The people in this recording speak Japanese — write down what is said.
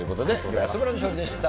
安村さんでした。